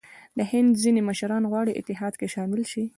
د هند ځیني مشران غواړي اتحاد کې شامل شي.